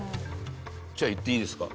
じゃあ言っていいですか？